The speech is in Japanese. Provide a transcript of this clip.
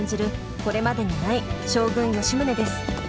これまでにない将軍・吉宗です。